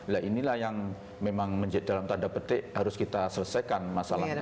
nah inilah yang memang menjadikan tanda petik harus kita selesaikan masalah ini